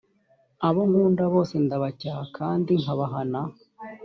abo nkunda bose ndabacyaha kandi nkabahana